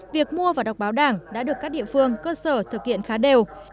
việc mua và đọc báo đảng đã được các địa phương cơ sở thực hiện khá đều